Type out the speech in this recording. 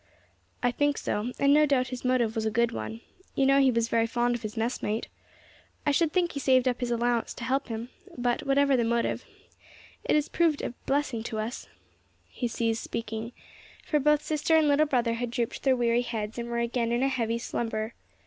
"I think so; and no doubt his motive was a good one. You know he was very fond of his messmate. I should think he saved up his allowance to help him; but, whatever the motive, it has proved a blessing to us " He ceased speaking, for both sister and little brother had drooped their weary heads, and were again in a heavy slumber.